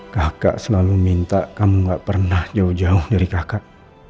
kakak selalu minta kamu gak pernah jauh jauh dari kakak